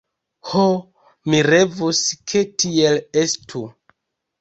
Ho, mi revus, ke tiel estu!